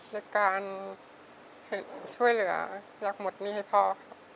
ในการช่วยเหลืออยากหมดหนี้ให้พ่อครับ